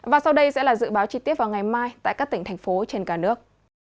và sau đây sẽ là dự báo chi tiết vào ngày mai tại các tỉnh thành phố trên cả nước